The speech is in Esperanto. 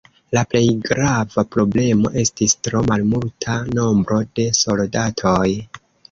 La plej grava problemo estis tro malmulta nombro de soldatoj.